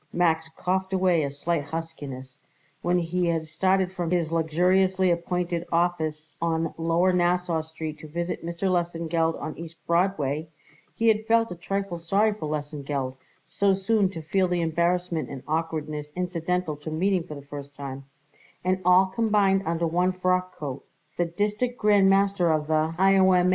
Max coughed away a slight huskiness. When he had started from his luxuriously appointed office on lower Nassau Street to visit Mr. Lesengeld on East Broadway, he had felt a trifle sorry for Lesengeld, so soon to feel the embarrassment and awkwardness incidental to meeting for the first time, and all combined under one frockcoat, the District Grand Master of the I.O.M.